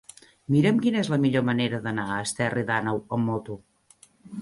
Mira'm quina és la millor manera d'anar a Esterri d'Àneu amb moto.